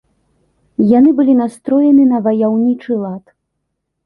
Яны былі настроены на ваяўнічы лад.